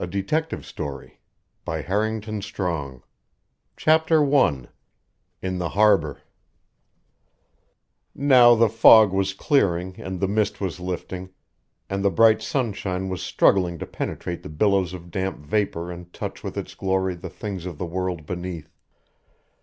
THE TRUTH COMES OUT THE BRAND OF SILENCE CHAPTER I IN THE HARBOR Now the fog was clearing and the mist was lifting, and the bright sunshine was struggling to penetrate the billows of damp vapor and touch with its glory the things of the world beneath.